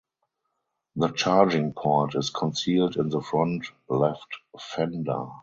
The charging port is concealed in the front left fender.